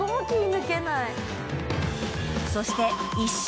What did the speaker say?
［そして］